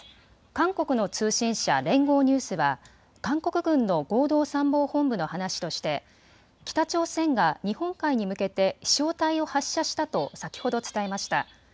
韓国の通信社、連合ニュースは韓国軍の合同参謀本部の話として北朝鮮が日本海に向けて飛しょう体を発射したと先ほど伝えました。